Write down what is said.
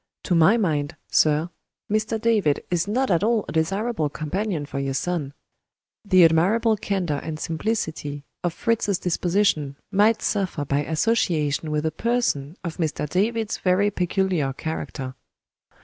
"To my mind, sir, Mr. David is not at all a desirable companion for your son. The admirable candor and simplicity of Fritz's disposition might suffer by association with a person of Mr. David's very peculiar character."